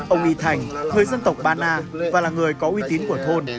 ông y thành người dân tộc ba na và là người có uy tín của thôn